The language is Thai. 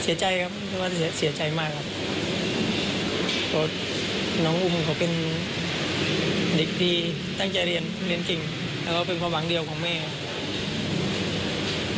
อันนี้ตั้งใจเรียนเก่งและเป็นความหวังเดียวของแม่